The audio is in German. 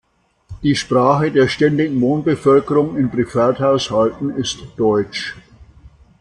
Die "Sprache" der ständigen Wohnbevölkerung in Privathaushalten ist Deutsch.